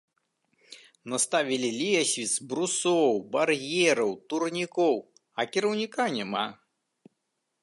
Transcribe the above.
Наставілі лесвіц, брусоў, бар'ераў, турнікоў, а кіраўніка няма.